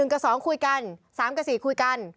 กับ๒คุยกัน๓กับ๔คุยกัน